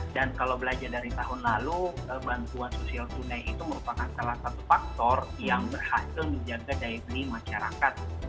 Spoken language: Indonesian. dan kalau belajar dari tahun lalu bantuan sosial kunai itu merupakan salah satu faktor yang berhasil menjaga daya beli masyarakat